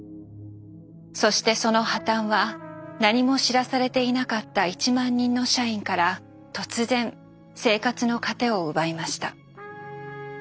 そしてその破たんは何も知らされていなかった１万人の社員から突然生活の糧を奪いました。